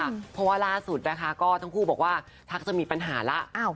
เพราะว่าลาดสุดทุกคู่บอกว่าทักจะมีปัญหาแล้ว